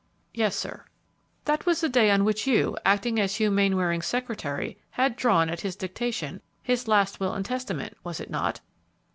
"Yes, sir." "That was the day on which you, acting as Hugh Mainwaring's secretary, had drawn, at his dictation, his last will and testament, was it not?"